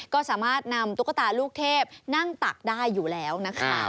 ก็สามารถนำตุ๊กตาลูกเทพนั่งตักได้อยู่แล้วนะคะ